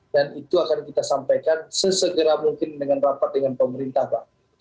dan itu akan kita sampaikan sesegera mungkin dengan rapat dengan pemerintah bang